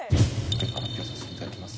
・結果発表させていただきます